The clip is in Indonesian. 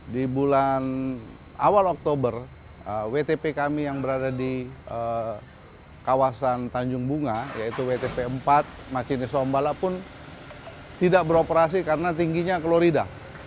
di bulan awal oktober wtp kami yang berada di kawasan tanjung bunga yaitu wtp empat masjid sombala pun tidak beroperasi karena tingginya klorida